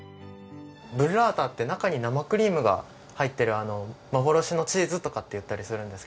ブッラータって中に生クリームが入ってる幻のチーズとかって言ったりするんですけど。